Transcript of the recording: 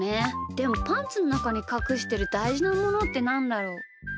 でもパンツのなかにかくしてるだいじなものってなんだろう？